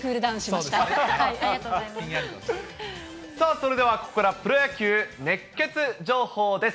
それではここからはプロ野球熱ケツ情報です。